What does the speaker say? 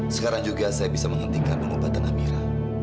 sekarang juga saya bisa menghentikan pengobatan amira